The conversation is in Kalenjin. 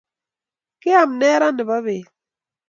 Keam ne raa nebo beet?